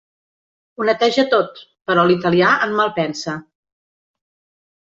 Ho neteja tot, però l'italià en malpensa.